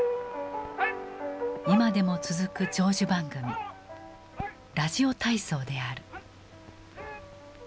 今でも続く長寿番組「ラジオ体操」である。